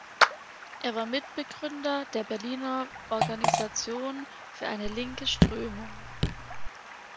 Er war Mitgründer der Berliner Organisation Für eine linke Strömung.